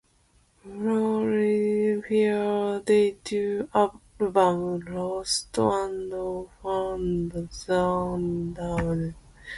Burke released her debut album, "Lost and Found", through Dagmusic.